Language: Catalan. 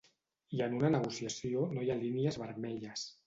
I en una negociació no hi ha línies vermelles.